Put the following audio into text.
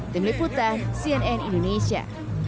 tim liputan cnn indonesia